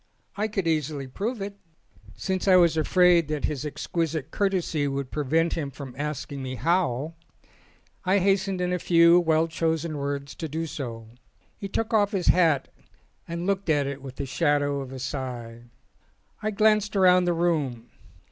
"I could easily prove it." ON A CHINESE SCEEEN Since I was afraid that his exquisite courtesy would prevent him from asking me how, I hastened in a few well chosen words to do so. He took off his hat and looked at it with the shadow of a sigh. I glanced round the room.